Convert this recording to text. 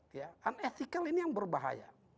unethical ini yang berbahaya